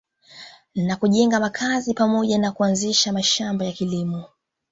Na kujenga makazi pamoja na kuanzisha mashamba ya kilimo